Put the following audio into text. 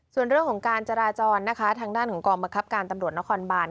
ส่วนเรื่องของการจราจรนะคะทางด้านของกองบังคับการตำรวจนครบาน